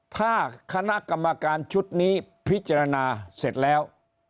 ถ้าคณะกรรมการชุดนี้พิจารณาเสร็จแล้ว